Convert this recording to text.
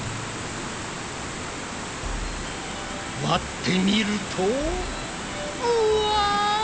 割ってみるとわお！